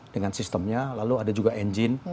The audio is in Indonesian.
dengan sistemnya lalu ada juga engine